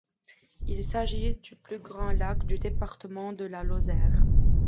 Il s'agit du plus grand lac du département de la Lozère.